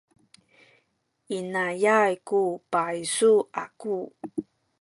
inayay ku paysu aku.